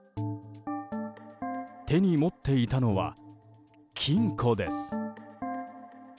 手に持っていたのは金庫です。